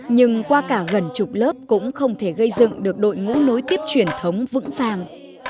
nhưng qua cả gần chục lớp cũng không thể gây dựng được đội ngũ nối tiếp truyền thống vững vàng